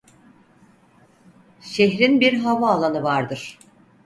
Şehrin bir havaalanı vardır.